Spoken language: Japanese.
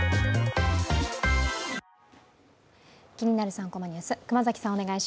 ３コマニュース」。